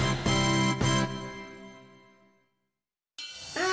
あ！